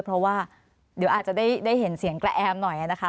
เพราะว่าเดี๋ยวอาจจะได้เห็นเสียงกระแอมหน่อยนะคะ